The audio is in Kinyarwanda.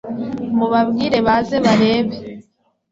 mubabwire baze barebe